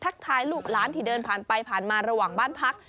ทายลูกล้านที่เดินผ่านไปผ่านมาระหว่างบ้านพัก